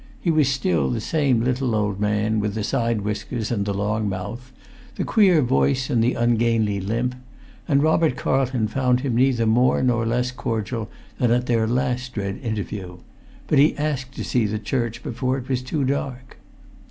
He was still the same little old man, with the side whiskers and the long mouth, the queer voice and the ungainly limp; and Robert Carlton found him neither more nor less cordial than at their last dread interview; but he asked to see the church before it was too dark.